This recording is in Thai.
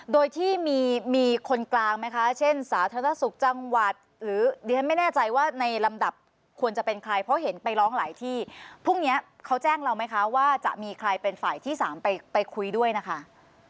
โดยที่มีคนกลางไหมคะเช่นสาธารณสุขจังหวัดหรือดิฉันไม่แน่ใจว่าในลำดับควรจะเป็นใครเพราะเห็นไปร้องหลายที่พรุ่งนี้เขาแจ้งเราไหมคะว่าจะมีใครเป็นฝ่ายที่สามไปไปคุยด้วยนะคะ